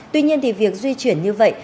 tuy nhiên thì việc di chuyển như vậy